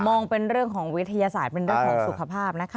มองเป็นเรื่องของวิทยาศาสตร์เป็นเรื่องของสุขภาพนะคะ